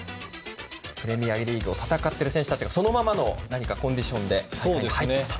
プレミアリーグを戦っている選手たちもそのままのコンディションで入ってきたという。